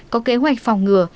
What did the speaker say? có kế hoạch phòng ngừa